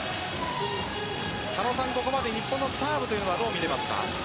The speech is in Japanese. ここまで日本のサーブというのはどう見ていますか？